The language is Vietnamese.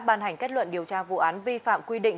và bàn hành kết luận điều tra vụ án vi phạm quy định